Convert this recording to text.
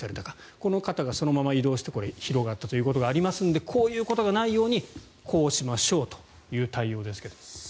この方がそのまま移動して広がったということがありますのでこういうことがないようにこうしましょうという対応です。